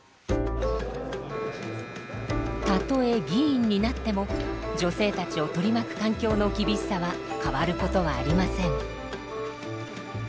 たとえ議員になっても女性たちを取り巻く環境の厳しさは変わることはありません。